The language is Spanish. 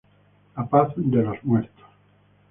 La paz de los muertos.